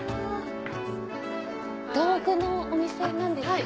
道具のお店なんですか？